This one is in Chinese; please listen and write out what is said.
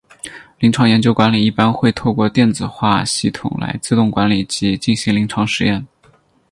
临床研究管理一般会透过电子化系统来自动管理及进行临床试验。